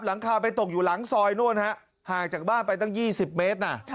หลังคาไปตกอยู่หลังซอยนู่นฮะห่างจากบ้านไปตั้ง๒๐เมตรนะ